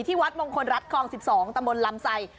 ที่วัดมงคลรัฐคลอง๑๒ตะบนลำไส่